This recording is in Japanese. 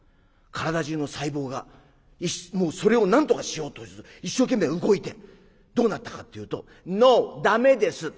体中の細胞がそれをなんとかしようと一生懸命動いてどうなったかというと「ノー！駄目です」。